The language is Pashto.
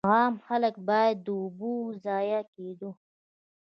عام خلک باید د اوبو د ضایع کېدو.